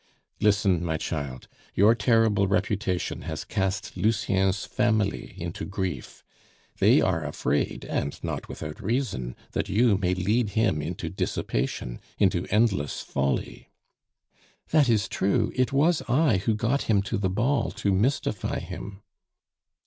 "Listen, my child. Your terrible reputation has cast Lucien's family into grief. They are afraid, and not without reason, that you may lead him into dissipation, into endless folly " "That is true; it was I who got him to the ball to mystify him."